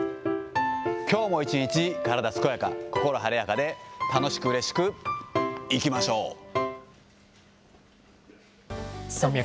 きょうも一日、体健やか、心晴れやかで、楽しくうれしくいきまし山脈。